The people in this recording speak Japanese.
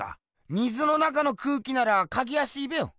水の中の空気なら描きやしいべよ。